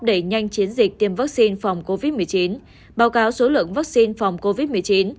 đẩy nhanh chiến dịch tiêm vaccine phòng covid một mươi chín báo cáo số lượng vaccine phòng covid một mươi chín